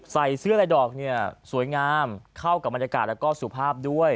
ใส่เสื้อลายดอกเนี่ยสวยงามเข้ากับบรรยากาศแล้วก็สุภาพด้วย